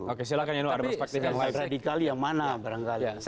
oke silahkan ya nua ada perspektifnya